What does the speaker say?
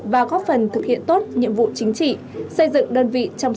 và góp phần thực hiện tốt nhiệm vụ chính trị xây dựng đơn vị chăm sạch vững mạnh